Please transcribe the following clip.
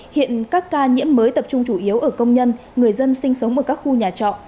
hiện các ca nhiễm mới tập trung chủ yếu ở công nhân người dân sinh sống ở các khu nhà trọ